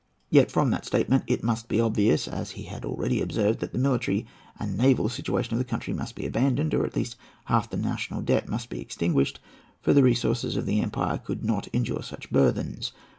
Yet from that statement it must be obvious, as he had already observed, that the military and naval situation of the country must be abandoned, or at least half the national debt must be extinguished, for the resources of the empire could not endure such burthens.